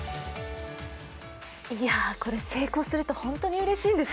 いやー、これ成功すると本当にうれしいんです。